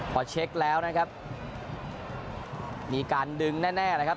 พอเช็คแล้วนะครับมีการดึงแน่นะครับ